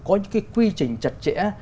có những cái quy trình chặt chẽ